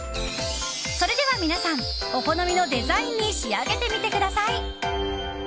それでは皆さんお好みのデザインに仕上げてみてください！